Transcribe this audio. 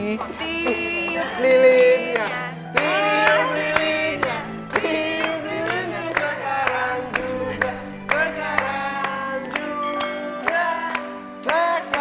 tiup lilinnya tiup lilinnya tiup lilinnya sekarang juga